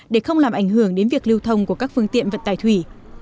để không làm ảnh hưởng đến việc lưu thông của các phương tiện vận tải thủy